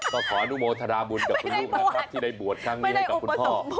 ก็ขออนุโมทนาบุญกับคุณลูกนะครับที่ได้บวชครั้งนี้ให้กับคุณพ่อ